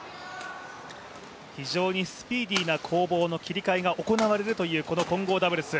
非常にスピーディーな攻防の切り替えが行われるというこの混合ダブルス。